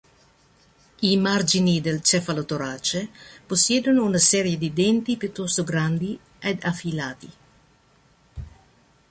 I margini del cefalotorace possiedono una serie di denti piuttosto grandi ed affilati.